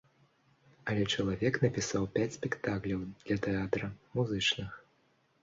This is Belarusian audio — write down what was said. Але чалавек напісаў пяць спектакляў для тэатра, музычных.